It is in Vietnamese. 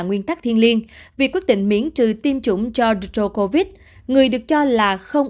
nguyên tắc thiên liêng việc quyết định miễn trừ tiêm chủng cho drogovic người được cho là không